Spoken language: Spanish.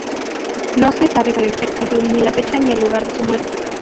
No se sabe con exactitud ni la fecha ni el lugar de su muerte.